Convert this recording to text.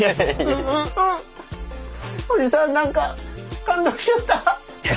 うんうんうんおじさん何か感動しちゃった。